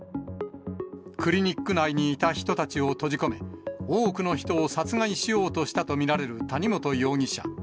クリニック内にいた人たちを閉じ込め、多くの人を殺害しようとしたと見られる谷本容疑者。